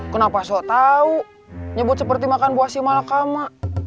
kenapa so tau nyebut seperti makan buah si malakama